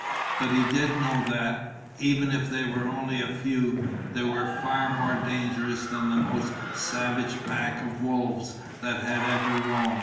But he did know that, even if they were only a few, they were far more dangerous than the most savage pack of wolves that had ever roamed.